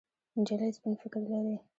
نجلۍ سپين فکر لري.